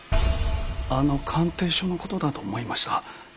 あの鑑定書の事だと思いました。